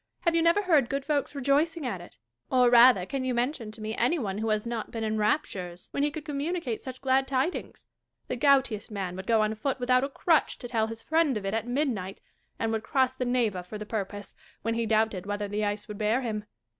Have you never heard good folks rejoicing at it ? Or, rather, can you mention to me any one who has not been in raptures when he could com municate such glad tidings 1 The goutiest man would go on foot without a crutch to tell his friend of it at midnight ; and would cross the Neva for the purpose, when he doubted whether the ice would bear him.